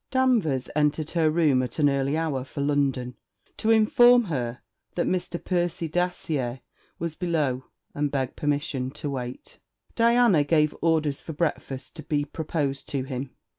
Danvers entered her room at an early hour for London to inform her that Mr. Percy Dacier was below, and begged permission to wait. Diana gave orders for breakfast to be proposed to him.